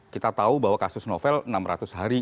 kita tahu bahwa kasus novel enam ratus hari